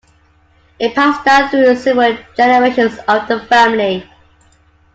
It passed down through several generations of the family.